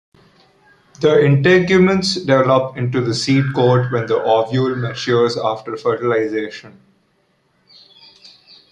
The integuments develop into the seed coat when the ovule matures after fertilization.